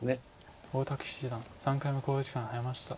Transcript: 大竹七段３回目の考慮時間に入りました。